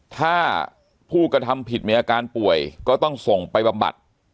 ถ้าผู้กระทำผิดมีอาการป่วยก็ต้องส่งไปบำบัด